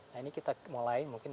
nah ini kita mulai mungkin